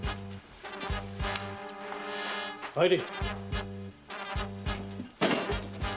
入れ！